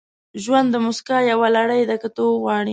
• ژوند د موسکاو یوه لړۍ ده، که ته وغواړې.